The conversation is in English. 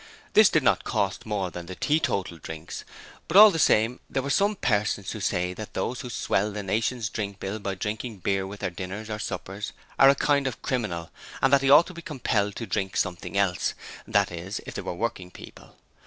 This did not cost more than the teetotal drinks, but all the same there are some persons who say that those who swell the 'Nation's Drink Bill' by drinking beer with their dinners or suppers are a kind of criminal, and that they ought to be compelled to drink something else: that is, if they are working people.